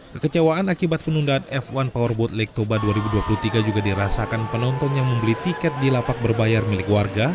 kekecewaan akibat penundaan f satu powerboat lake toba dua ribu dua puluh tiga juga dirasakan penonton yang membeli tiket di lapak berbayar milik warga